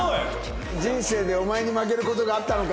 人生でお前に負ける事があったのか。